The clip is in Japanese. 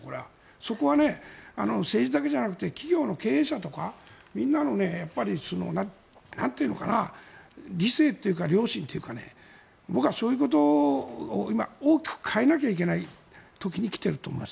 そこは政治だけじゃなくて企業の経営者とかみんなの理性というか良心というか僕はそういうことを今大きく変えなきゃいけない時に来ていると思います。